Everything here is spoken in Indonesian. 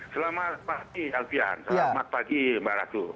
selamat pagi alfian selamat pagi mbak ratu